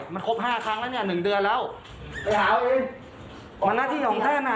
มันครบห้าครั้งแล้วเนี่ยหนึ่งเดือนแล้วไปหาเอาเองวันหน้าที่ของท่านอ่ะ